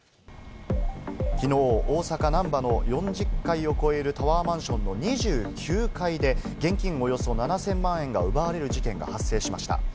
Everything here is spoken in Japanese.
きのう、大阪・難波の４０階を超えるタワーマンションの２９階で現金およそ７０００万円が奪われる事件が発生しました。